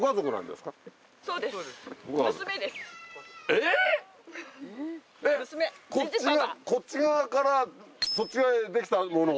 えっこっち側からそっち側へできたもの？